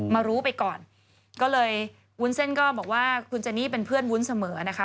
รู้ไปก่อนก็เลยวุ้นเส้นก็บอกว่าคุณเจนี่เป็นเพื่อนวุ้นเสมอนะคะ